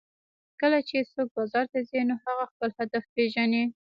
کله چې څوک بازار ته ځي نو هغه خپل هدف پېژني